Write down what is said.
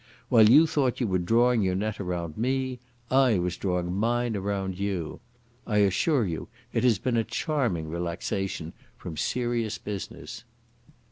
While you thought you were drawing your net around me, I was drawing mine around you. I assure you, it has been a charming relaxation from serious business."